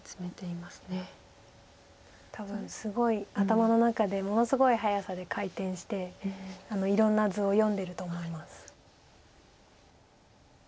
多分すごい頭の中でものすごい早さで回転していろんな図を読んでると思います。